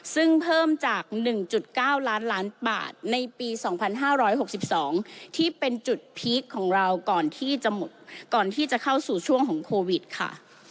ซึ่งเพิ่มจาก๑๙ล้านล้านบาทในปี๒๕๖๒ที่เป็นจุดพีคของเราก่อนที่จะหมดก่อนที่จะเข้าสู่ช่วงของโควิดค่ะ